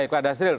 baik pak dasril